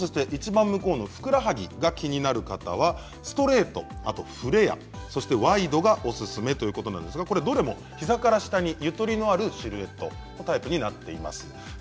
ふくらはぎが気になる方はストレート、フレアワイドがおすすめということなんですが、どれも膝から下にゆとりのあるシルエットのタイプになっています。